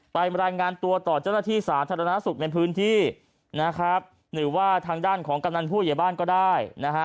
รายงานตัวต่อเจ้าหน้าที่สาธารณสุขในพื้นที่นะครับหรือว่าทางด้านของกำนันผู้ใหญ่บ้านก็ได้นะฮะ